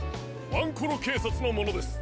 ワンコロけいさつのものです！